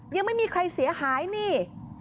ยังไม่มีใครเสียหายนี่